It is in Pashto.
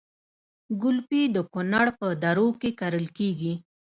ګلپي د کونړ په درو کې کرل کیږي